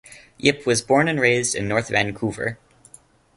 Yip was born and raised in North Vancouver.